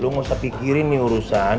lo gak usah pikirin nih urusan